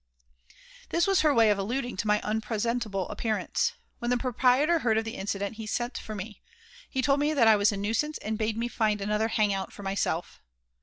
This was her way of alluding to my unpresentable appearance. When the proprietor heard of the incident he sent for me. He told me that I was a nuisance and bade me find another "hang out" for myself.